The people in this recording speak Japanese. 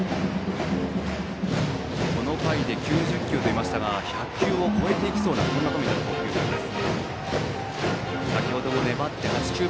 この回で９０球といいましたが１００球を超えそうな冨田の投球数です。